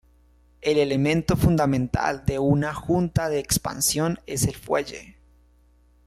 El elemento fundamental de una junta de expansión es el fuelle.